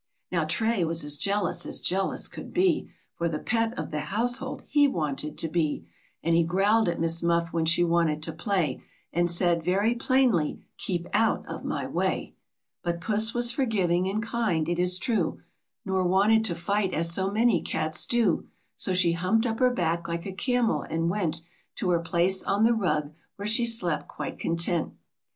Now Tray was as jealous as jealous could be, For the pet of the household he wanted to be, And he growled at Miss Muff when she wanted to play And said very plainly, " Keep out of my way !" But Puss was forgiving and kind, it is true, Nor wanted to fight as so many cats do, So she humped up her back like a camel, and went To her place on the rug, where she quite content.